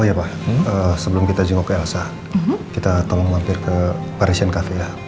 iya pak sebelum kita jengkok ke elsa kita tolong mampir ke parisan cafe ya